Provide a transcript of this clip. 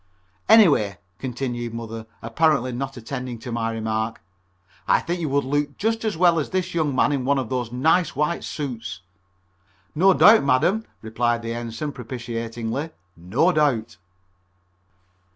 "Anyway," continued Mother, apparently not attending to my remark, "I think you would look just as well as this young man in one of those nice white suits." "No doubt, madam," replied the Ensign propitiatingly, "no doubt."